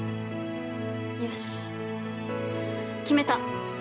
よし決めた。